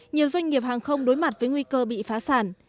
nhiều doanh nghiệp hàng không đối mặt với nguy cơ bị phá sản